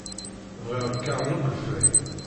Bɣiɣ lkaṛ n ukeffay.